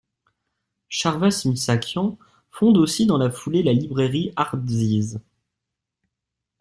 Charvarche Missakian fonde aussi dans la foulée la librairie Ardziv.